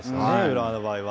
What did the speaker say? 浦和の場合は。